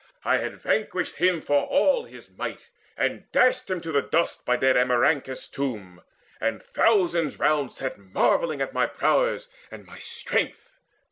I had vanquished him, For all his might, and dashed him to the dust By dead Amaryncus' tomb, and thousands round Sat marvelling at my prowess and my strength.